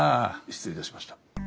失礼いたしました。